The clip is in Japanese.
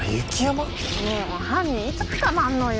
もう犯人いつ捕まんのよ？